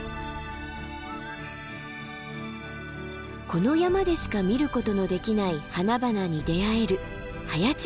この山でしか見ることのできない花々に出会える早池峰山。